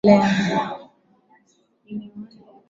aa profesa mwesiga baregu hapo awali endelea